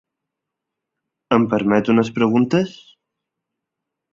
Em permet unes preguntes?